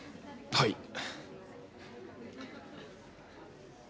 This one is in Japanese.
はい。